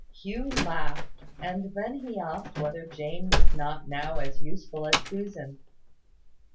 Hugh laughed; and then he asked whether Jane was not now as useful as Susan.